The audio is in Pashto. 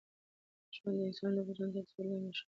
ژوند د انسان د وجدان تر سیوري لاندي ښه تېرېږي.